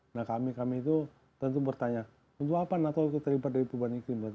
nah kami kami itu tentu bertanya untuk apa nato terlibat dari perubahan iklim